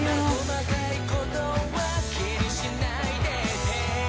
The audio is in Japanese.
「細かい事は気にしないでって」